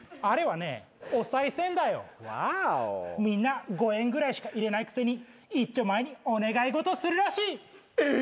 みんな５円ぐらいしか入れないくせにいっちょまえにお願い事するらしい。え！？